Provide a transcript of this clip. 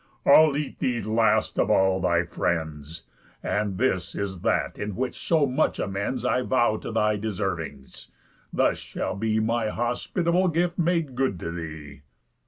I'll eat thee last of all thy friends; And this is that in which so much amends I vow'd to thy deservings, thus shall be My hospitable gift made good to thee.